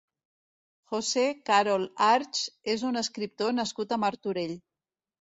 José Carol Archs és un escriptor nascut a Martorell.